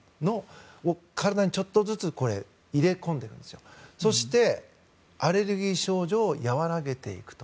それを体にちょっとずつ入れ込んでそしてアレルギー症状を和らげていくと。